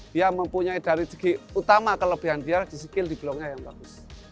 dia mempunyai dari segi utama kelebihan dia di skill di bloknya yang bagus